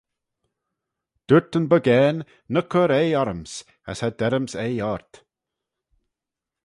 Dooyrt yn bogane ny cur eaie orryms as cha derryms eaie ort.